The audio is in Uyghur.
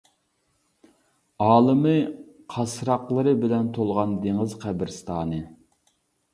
ئالىمى قاسراقلىرى بىلەن تولغان دېڭىز قەبرىستانى.